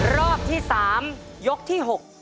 รอบที่๓ยกที่๖